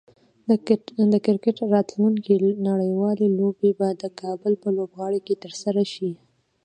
د کرکټ راتلونکی نړیوالې لوبې به د کابل په لوبغالي کې ترسره شي